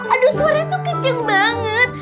aduh suaranya tuh kenceng banget